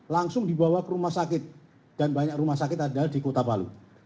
langsung dibawa ke rumah sakit dan banyak rumah sakit ada di kota palu